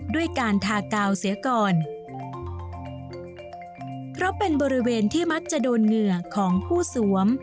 ด้วยการทากาวเสียก่อนเพราะเป็นบริเวณที่มักจะโดนเหงื่อของผู้สวม